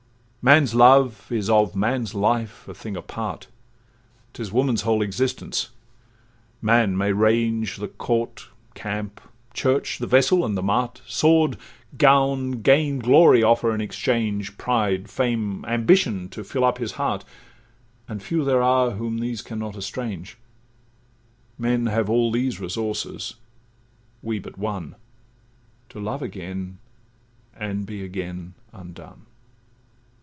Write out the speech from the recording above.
'Man's love is of man's life a thing apart, 'Tis woman's whole existence; man may range The court, camp, church, the vessel, and the mart; Sword, gown, gain, glory, offer in exchange Pride, fame, ambition, to fill up his heart, And few there are whom these cannot estrange; Men have all these resources, we but one, To love again, and be again undone.